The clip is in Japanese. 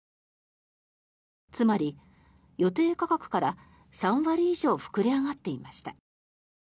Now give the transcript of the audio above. つまり、予定価格から３割以上膨れ上がっていました。